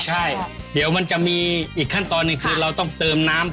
ใช่เดี๋ยวมันจะมีอีกขั้นตอนหนึ่งคือเราต้องเติมน้ำ